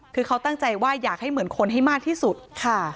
คือเขาตั้งใจว่าอยากให้เหมือนคนให้มากที่สุดค่ะ